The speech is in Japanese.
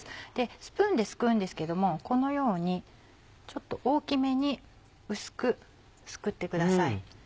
スプーンですくうんですけどもこのようにちょっと大きめに薄くすくってください。